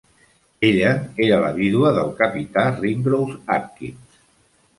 Ella era la vídua del Capità Ringrose Atkyns.